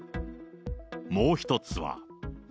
もう１つは。